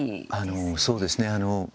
あの、そうですね。